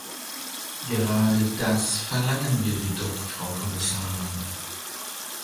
Gerade das verlangen wir jedoch, Frau Kommissarin.